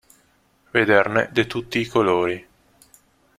Vederne de tutti i colori.